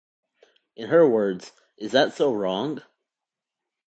In her words, Is that so wrong?